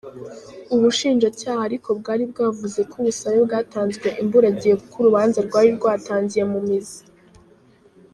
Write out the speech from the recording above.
Ubushinjacyaha ariko bwari bwavuze ko ubusabe bwatanzwe imburagihe kuko urubanza rwari rwatangiye mu mizi.